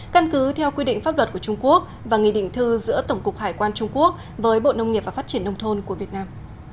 căn cứ theo quy định pháp luật của trung quốc và nghị định thư giữa tổng cục hải quan trung quốc với bộ nông nghiệp và phát triển nông thôn của việt nam